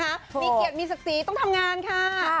มีเกียรติมีศักดิ์ศรีต้องทำงานค่ะ